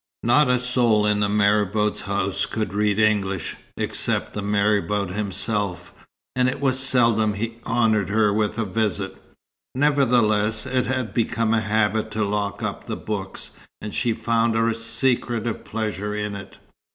Not a soul in the marabout's house could read English, except the marabout himself; and it was seldom he honoured her with a visit. Nevertheless, it had become a habit to lock up the books, and she found a secretive pleasure in it.